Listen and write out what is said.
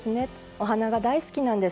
お花が大好きなんです。